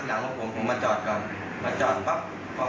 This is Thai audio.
เราก็จะครับออกตัวตามปกติจริง